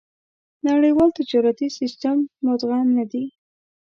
نړيوال تجارتي سېسټم مدغم نه دي.